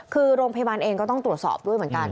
คือโรงพยาบาลเองก็ต้องตรวจสอบด้วยเหมือนกัน